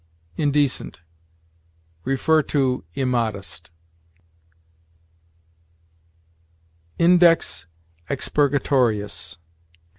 INDECENT. See IMMODEST. INDEX EXPURGATORIUS.